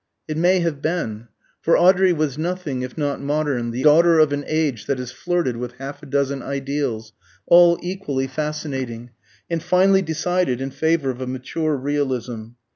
It may have been; for Audrey was nothing if not modern, the daughter of an age that has flirted with half a dozen ideals, all equally fascinating, and finally decided in favour of a mature realism.